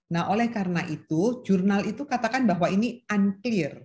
nah oleh karena itu jurnal itu katakan bahwa ini unclear